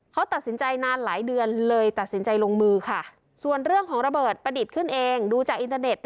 เขาตัดสินใจนานหลายเดือนเลยตัดสินใจลงมือค่ะส่วนเรื่องของระเบิดประดิษฐ์ขึ้นเองดูจากอินเตอร์เน็ต